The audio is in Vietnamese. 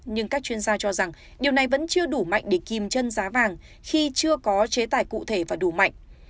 nhưng các chuyên gia cho rằng điều này vẫn chưa đủ mạnh để kim chân giá vàng khi chưa có chế tài cụ thể và đủ mạnh